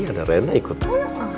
iya ada reina ikutan